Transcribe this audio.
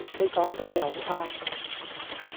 你講得又啱